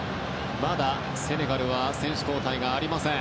まだセネガル選手交代がありません。